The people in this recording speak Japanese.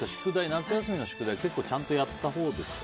夏休みの宿題結構ちゃんとやったほうですか？